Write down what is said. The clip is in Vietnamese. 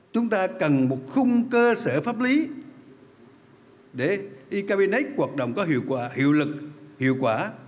chúng ta cần một khung cơ sở pháp lý để ekpnx hoạt động có hiệu quả hiệu lực